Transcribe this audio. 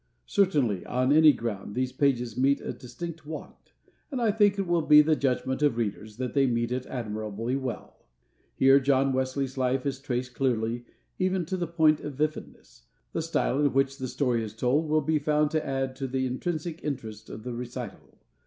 Certainly, on any ground, these pages meet a distinct want; and I think it will be the judgment of readers, that they meet it admirably well. Here John Wesley's life is traced clearly, even to the point of vividness. The style in which the story is told, will be found to add to the intrinsic interest of the recital.